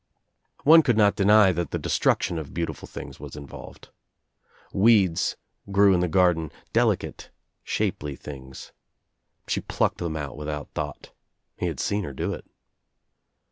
One could not deny that the destruction of beauti ful things was involved. Weeds grew in the garden, ■^[ delicate shapely things. She plucked them out witl^ out thought. He had seen her do it.